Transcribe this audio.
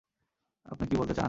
আপনি কি বলতে চান?